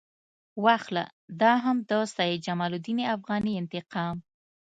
واخله دا هم د سید جمال الدین افغاني انتقام.